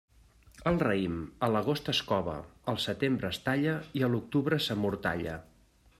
El raïm, a l'agost es cova, al setembre es talla i a l'octubre s'amortalla.